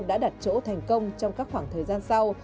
đã đặt chỗ thành công trong các khoảng thời gian sau